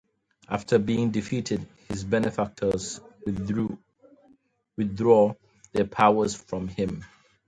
After being defeated, his benefactors withdraw their powers from him.